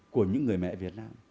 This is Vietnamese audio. của những người mẹ việt nam